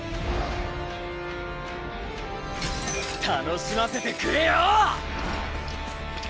楽しませてくれよ！